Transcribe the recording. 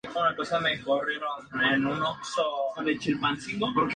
Furioso, el rey le lanza flechas mientras Gong-gil intenta detenerlo en vano.